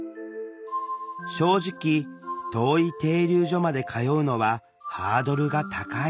正直遠い停留所まで通うのはハードルが高い。